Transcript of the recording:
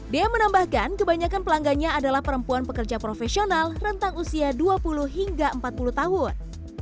dea menambahkan kebanyakan pelanggannya adalah perempuan pekerja profesional rentang usia dua puluh hingga empat puluh tahun